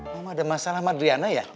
mama ada masalah sama adriana ya